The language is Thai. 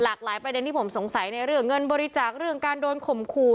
หลายประเด็นที่ผมสงสัยในเรื่องเงินบริจาคเรื่องการโดนข่มขู่